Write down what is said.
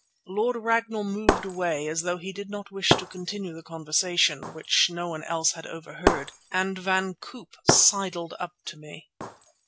Lord Ragnall moved away as though he did not wish to continue the conversation, which no one else had overheard, and Van Koop sidled up to me.